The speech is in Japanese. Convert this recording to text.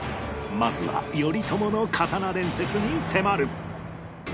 まずは頼朝の刀伝説に迫る！